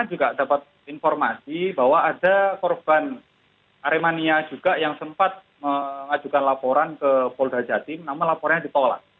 saya juga dapat informasi bahwa ada korban aremania juga yang sempat mengajukan laporan ke polda jatim namun laporannya ditolak